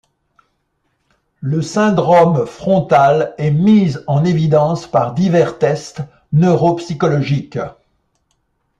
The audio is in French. Le syndrome frontal est mis en évidence par divers tests neuropsychologiques.